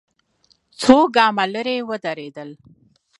څو ګامه ليرې ودرېدل.